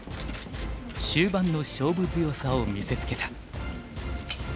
終盤の勝負強さを見せつけた。